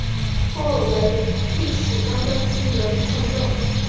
后为御史张仲炘得知上奏。